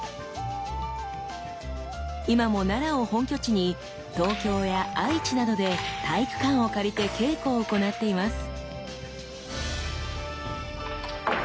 今も奈良を本拠地に東京や愛知などで体育館を借りて稽古を行っています。